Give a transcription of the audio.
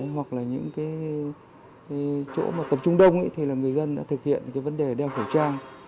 hoặc là những chỗ tập trung đông thì là người dân đã thực hiện vấn đề đeo khẩu trang